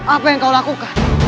apa yang kau lakukan